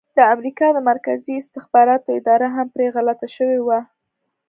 د امریکا د مرکزي استخباراتو اداره هم پرې غلطه شوې وه.